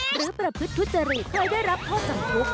ประพฤติทุจริตเคยได้รับโทษจำคุก